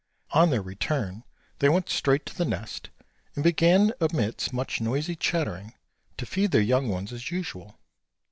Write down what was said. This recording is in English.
On their return, they went straight to the nest, and began amidst much noisy chattering to feed their young ones as usual.